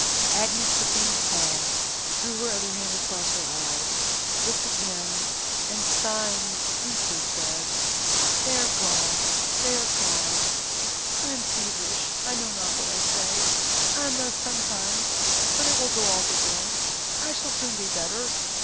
Agnes became calm, drew her other hand across her eyes, looked again, and, sighing deeply, said, "They are gone—they are gone! I am feverish, I know not what I say. I am thus, sometimes, but it will go off again, I shall soon be better.